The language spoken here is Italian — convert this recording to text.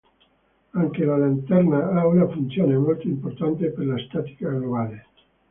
Anche la Lanterna ha una funzione molto importante per la statica globale.